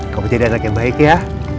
kamu jadi anak yang baik ya